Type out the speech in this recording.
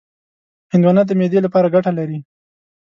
هندوانه د معدې لپاره ګټه لري.